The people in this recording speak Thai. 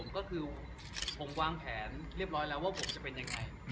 ก็เองมีความคิดว่าผมจะเป็นอย่างไง